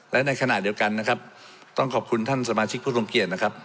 และในขณะเดียวกันนะครับต้องขอบคุณท่านสมาชิกผู้ทรงเกียจนะครับ